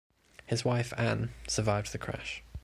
His wife Ann survived the crash.